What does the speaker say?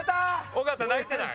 尾形泣いてない？